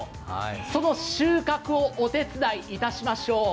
その収穫をお手伝いいたしましょう。